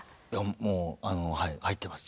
もうはい入ってます